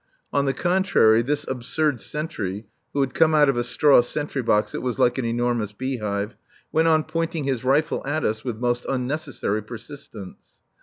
On the contrary, this absurd sentry (who had come out of a straw sentry box that was like an enormous beehive) went on pointing his rifle at us with most unnecessary persistence.